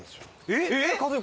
えっ？